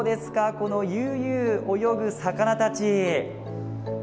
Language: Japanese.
この悠々泳ぐ魚たち！